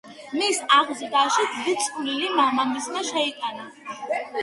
მის აღზრდაში დიდი წვლილი მამამისმა შეიტანა.